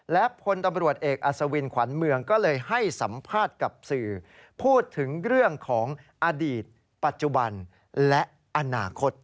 และพลตำรวจเอกอัศวินขวัญเมืองก็เลยให้สัมภาษณ์กับสื่อพูดถึงเรื่องของอดีตปัจจุบันและอนาคต